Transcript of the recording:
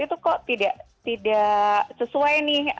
itu kok tidak sesuai nih